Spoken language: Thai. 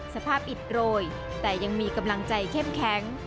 สภาพอิดโรยแต่ยังมีกำลังใจเข้มแข็ง